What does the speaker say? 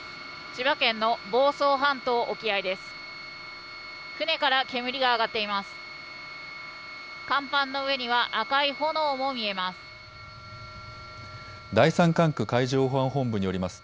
千葉県の房総半島沖合です。